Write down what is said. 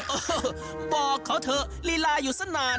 เออบอกเขาเถอะลีลาอยู่สักนาน